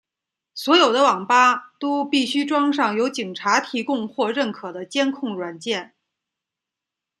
所有的网吧都必须装上由警察提供或认可的监控软件。